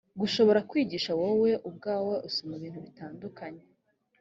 gushobora kwiyigisha wowe ubwawe usoma ibintu bitandukanye